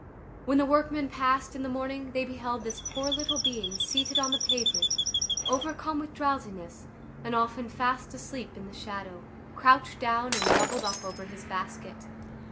When the workmen passed in the morning, they beheld this poor little being seated on the pavement, overcome with drowsiness, and often fast asleep in the shadow, crouched down and doubled up over his basket.